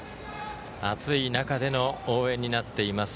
暑い中での応援になっています。